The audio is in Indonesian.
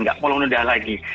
nggak perlu mudah lagi